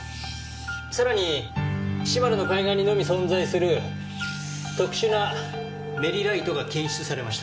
さらに島根の海岸にのみ存在する特殊なメリライトが検出されました。